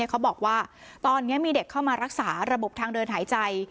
เขาบอกว่าตอนนี้มีเด็กเข้ามารักษาระบบทางเดินหายใจ